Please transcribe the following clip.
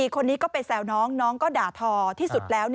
คนนี้ก็ไปแซวน้องน้องก็ด่าทอที่สุดแล้ว